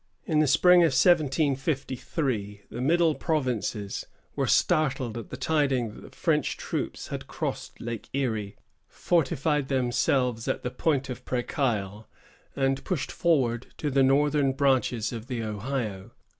In the spring of 1753, the middle provinces were startled at the tidings that French troops had crossed Lake Erie, fortified themselves at the point of Presqu' Isle, and pushed forward to the northern branches of the Ohio.